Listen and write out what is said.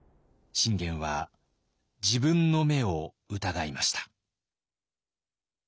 信玄は自分の目を疑いました。